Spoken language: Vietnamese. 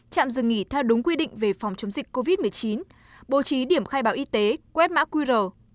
trạm dừng nghỉ theo đúng quy định về phòng chống dịch covid một mươi chín bố trí điểm khai báo y tế quét mã qr